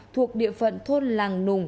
thuộc địa phận thôn làng nùng